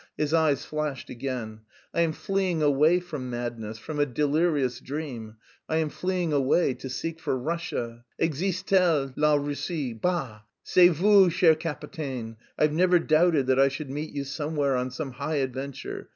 His eyes flashed again. "I am fleeing away from madness, from a delirious dream. I am fleeing away to seek for Russia. Existe t elle, la Russie? Bah! C'est vous, cher capitaine! I've never doubted that I should meet you somewhere on some high adventure....